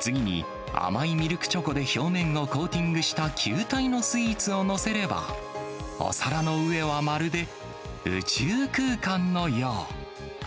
次に、甘いミルクチョコで表面をコーティングした球体のスイーツを載せれば、お皿の上はまるで宇宙空間のよう。